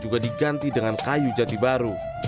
juga diganti dengan kayu jati baru